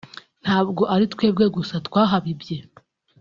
Ntabwo ari twebwe gusa twahabibye